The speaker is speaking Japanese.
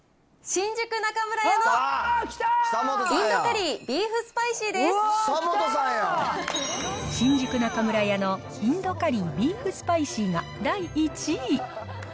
新宿中村屋のインドカリービーフスパイシーが第１位。